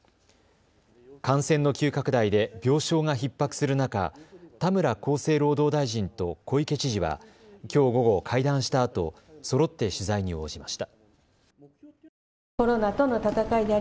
感染の急拡大で病床がひっ迫する中、田村厚生労働大臣と小池知事はきょう午後、会談したあとそろって取材に応じました。